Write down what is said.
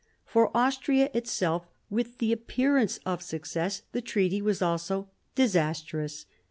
For Austria itself, with the appearance of success, the treaty was also disastrous.